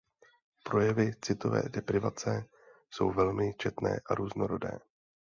Projevy citové deprivace jsou velmi četné a různorodé.